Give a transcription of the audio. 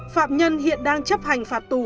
phạm nhân hiện đang chấp hành phạt tù